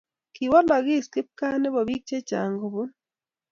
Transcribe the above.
Kikowalakis kipkaa nebo bik chechang kobun